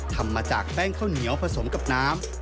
ทำมาจากแป้งข้าวเหนียวผสมกับน้ำ